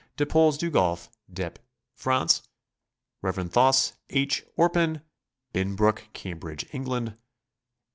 Dieppois Du Golf, Dieppe, France. Rev. Thos. H. Orpen, Binnbrooke, Cambridge, England.